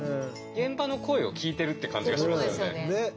現場の声を聞いてるっていう感じがしますよね。